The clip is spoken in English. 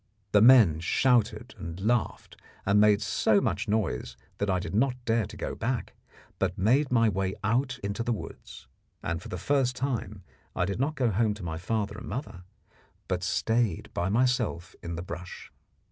The men shouted and laughed, and made so much noise that I did not dare to go back, but made my way out into the woods. And for the first time I did not go home to my father and mother, but stayed by myself in the brush.